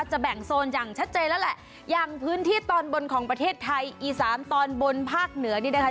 แบ่งโซนอย่างชัดเจนแล้วแหละอย่างพื้นที่ตอนบนของประเทศไทยอีสานตอนบนภาคเหนือนี่นะคะ